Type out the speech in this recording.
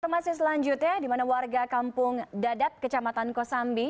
informasi selanjutnya di mana warga kampung dadap kecamatan kosambi